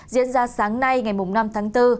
diễn ra sáng nay ngày năm tháng bốn